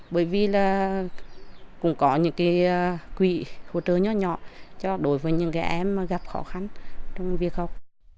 bởi vì là cũng có những cái quỵ hỗ trợ nhỏ nhỏ cho đối với những cái em gặp khó khăn trong việc học